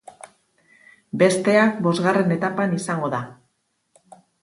Bestea bosgarren etapan izango da.